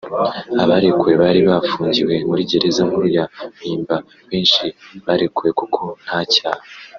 Abarekuwe bari bafungiwe muri gereza nkuru ya Mpimba benshi barekuwe kuko nta cyaha